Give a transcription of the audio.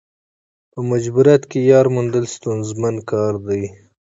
په مجبوریت کې یار موندل ستونزمن کار دی.